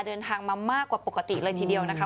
เดินทางมามากกว่าปกติเลยทีเดียวนะคะ